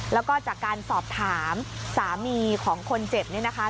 แล้วก็จากการสอบถามสามีของคนเจ็บเนี่ยนะคะ